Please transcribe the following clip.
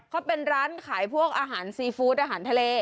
เขาเป็นร้านขายพวกอาหารซีฟู้ดอาหารทะเล